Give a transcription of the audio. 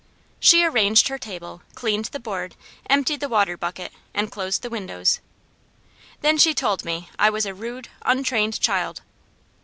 She arranged her table, cleaned the board, emptied the water bucket, and closed the windows. Then she told me I was a rude, untrained child.